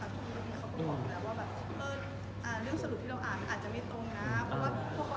หนูอ่านบทก็แบบว่ามันก็สงเกตสุดผลด้วย